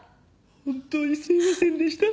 本当にすみませんでした。